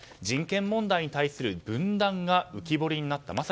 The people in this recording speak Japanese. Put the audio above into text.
人権問題に対する分断が浮き彫りになった。